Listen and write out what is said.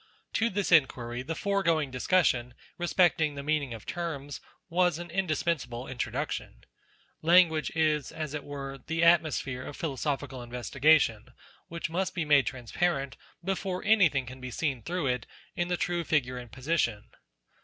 To this inquiry the foregoing discussion respecting the meaning of terms, was an indispensable introduction. Language is as it were the atmosphere of philosophical investigation, which must be made transparent before anything can be seen through it in the true figure and position.